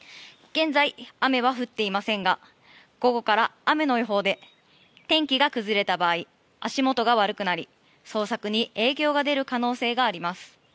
現在、雨は降っていませんが午後から雨の予報で天気が崩れた場合足元が悪くなり、捜索に影響が出る可能性があります。